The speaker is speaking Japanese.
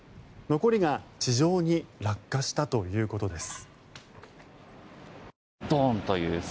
残りが地上に落下したということです。